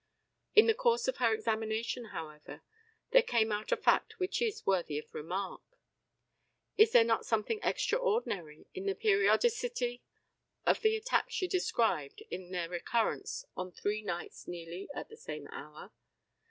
In the course of her examination, however, there came out a fact which is worthy of remark. Is there not something extraordinary in the periodicity of the attacks she described in their recurrence on three nights nearly at the same hour?